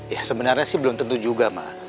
ya sebenarnya sih belum tentu juga mah